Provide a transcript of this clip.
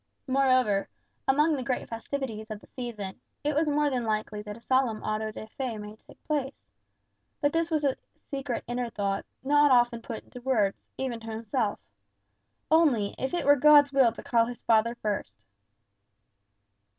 Moreover, amongst the great festivities of the season, it was more than likely that a solemn Auto da fé might find place. But this was a secret inner thought, not often put into words, even to himself. Only, if it were God's will to call his father first!